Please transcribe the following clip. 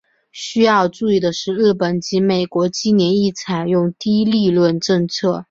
需要注意的是日本及美国近年亦采用低利率政策。